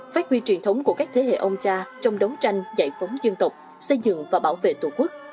phát huy truyền thống của các thế hệ ông cha trong đấu tranh giải phóng dân tộc xây dựng và bảo vệ tổ quốc